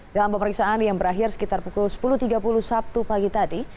dalam pemeriksaan yang berakhir sekitar pukul sepuluh tiga puluh sabtu pagi tadi